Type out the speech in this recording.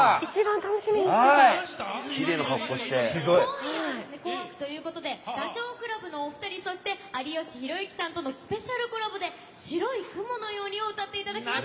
今夜はダチョウ倶楽部のお二人そして有吉弘行さんとのスペシャルコラボで「白い雲のように」を歌っていただきます。